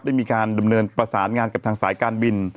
ได้มีการดำเนินประสานงานกับทางสายการบิน